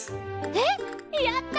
えっやった！